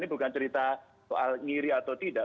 ini bukan cerita soal ngiri atau tidak